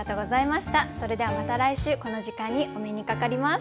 それではまた来週この時間にお目にかかります。